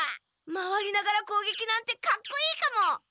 回りながらこうげきなんてかっこいいかも！